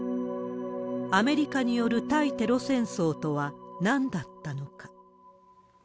アメリカによる対テロ戦争とは、なんだったのか。